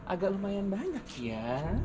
agak lumayan banyak ya